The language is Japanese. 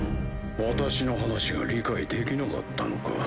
私の話が理解できなかったのか？